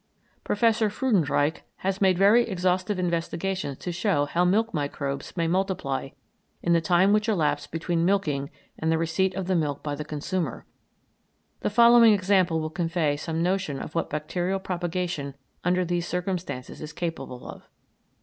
Professor Freudenreich has made very exhaustive investigations to show how milk microbes may multiply in the time which elapses between milking and the receipt of the milk by the consumer. The following example will convey some notion of what bacterial propagation under these circumstances is capable of.